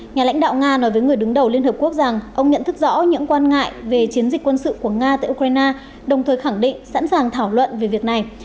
nhà lãnh đạo nga nói với người đứng đầu liên hợp quốc rằng ông nhận thức rõ những quan ngại về chiến dịch quân sự của nga tại ukraine đồng thời khẳng định sẵn sàng thảo luận về việc này